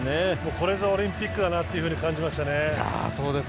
これぞオリンピックだなと感じましたね。